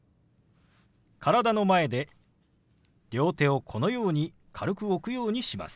体の前で両手をこのように軽く置くようにします。